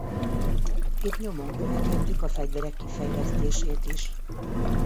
Itt nyomon követhetjük a fegyverek kifejlesztését is.